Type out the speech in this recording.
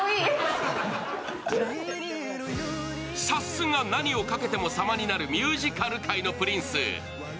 さすが、何をかけても様になるミュージカル界のプリンス。